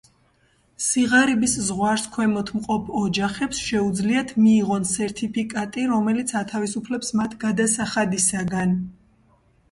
სიღარიბის ზღვარს ქვემოთ მყოფ ოჯახებს შეუძლიათ მიიღონ სერტიფიკატი, რომელიც ათავისუფლებს მათ გადასახადისაგან.